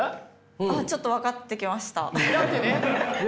あっちょっと分かってきました。